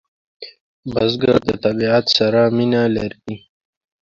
بزګر د طبیعت سره مینه لري